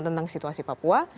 tentang situasi papua